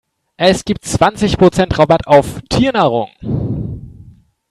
Es gibt zwanzig Prozent Rabatt auf Tiernahrung.